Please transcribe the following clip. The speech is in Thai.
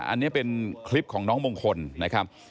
อันนี้เป็นคลิปของน้องมงคลนะครับ